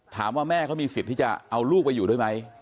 ถามว่าแม่เขามีสิทธิ์ที่จะเอาลูกไปอยู่ด้วยไหม